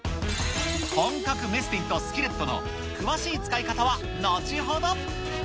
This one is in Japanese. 本格メスティンとスキレットの詳しい使い方は後ほど！